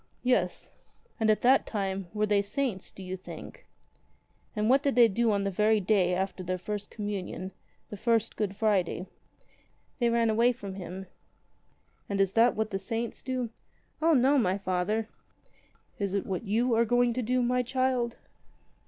"Yes. And — at that time — were they saints, do you think? What did they do on the very day after their First Communion — the first Good Friday?" "They ran away from Him." "And is that what the saints do?" "O no, my Father." "Is it what you are going to do, my child